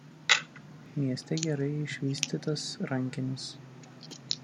Mieste gerai išvystytas rankinis.